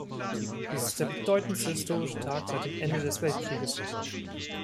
Dies ist der bedeutendste historische Tag seit dem Ende des Weltkrieges.